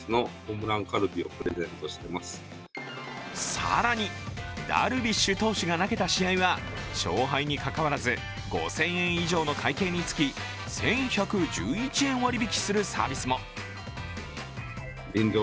更に、ダルビッシュ投手が投げた試合は勝敗にかかわらず５０００円以上の会計につき１１１１円値引きするサービスも。